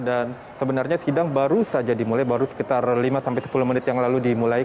dan sebenarnya sidang baru saja dimulai baru sekitar lima sepuluh menit yang lalu dimulai